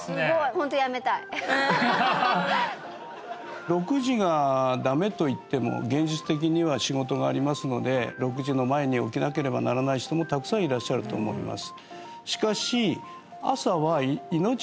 ホントやめたい６時がダメといっても現実的には仕事がありますので６時の前に起きなければならない人もたくさんいらっしゃると思います